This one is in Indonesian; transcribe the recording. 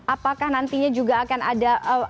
apakah nantinya juga akan ada